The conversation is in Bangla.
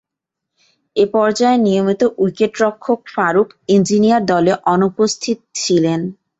এ পর্যায়ে নিয়মিত উইকেট-রক্ষক ফারুক ইঞ্জিনিয়ার দলে অনুপস্থিত ছিলেন।